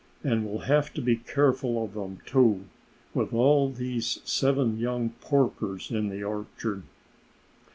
"And we'll have to be careful of them, too, with all these seven young porkers in the orchard."